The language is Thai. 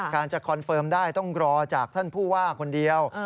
การจะคอนเฟิร์มได้ต้องรอจากท่านผู้ว่าคนเดียว